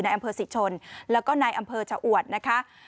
อำเภอศรีชนแล้วก็ในอำเภอชะอวดนะคะ